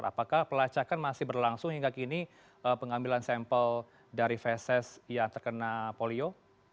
apakah pelacakan masih berlangsung hingga kini pengambilan sampel dari veses yang terkena polio